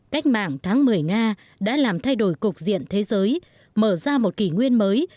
cách mạng tháng một mươi nga đã làm thay đổi cục diện thế giới mở ra một kỷ nguyên mới